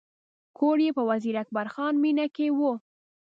کور یې په وزیر اکبر خان مېنه کې و.